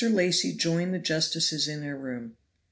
Lacy joined the justices in their room.